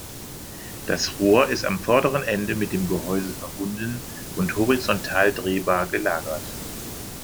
Das Rohr ist am vorderen Ende mit dem Gehäuse verbunden und horizontal drehbar gelagert.